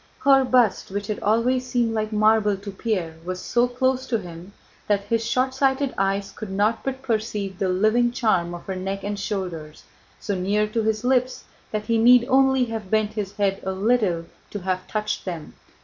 Her bust, which had always seemed like marble to Pierre, was so close to him that his shortsighted eyes could not but perceive the living charm of her neck and shoulders, so near to his lips that he need only have bent his head a little to have touched them.